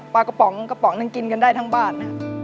ปลากระป๋องกระป๋องนึงกินกันได้ทั้งบ้าน